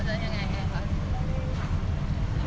ไม่ใช่นี่คือบ้านของคนที่เคยดื่มอยู่หรือเปล่า